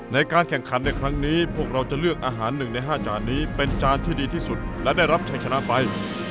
ในการแข่งขันในครั้งนี้พวกเราจะเลือกอาหาร๑ใน๕จานนี้เป็นจานที่ดีที่สุดและได้รับชัยชนะไป